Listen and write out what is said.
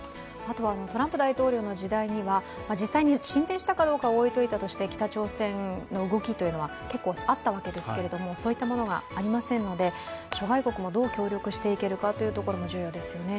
トランプ大統領の時代には実際に進展したかは置いておいて北朝鮮の動きというのは結構あったわけですけれどもそういったものがありませんので、諸外国もどう協力していけるかも重要ですね。